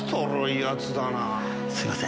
すみません。